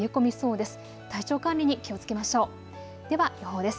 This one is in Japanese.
では予報です。